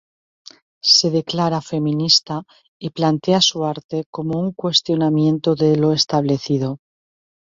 Se declara feminista y plantea su arte como un cuestionamiento de lo establecido.